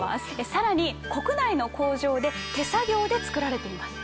さらに国内の工場で手作業で作られています。